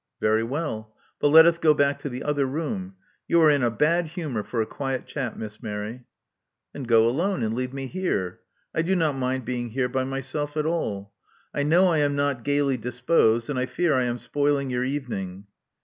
Very well. But let us go back to the other room. You are in a bad humor for a quiet chat. Miss Mary." Then go alone ; and leave me here. I do not mind being here by myself at all. I know I am not gaily disposed; and I fear I am spoiling your evening."